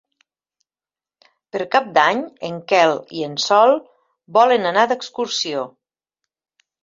Per Cap d'Any en Quel i en Sol volen anar d'excursió.